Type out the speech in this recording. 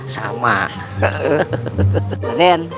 pokoknya paman mah akan selalu bersama raden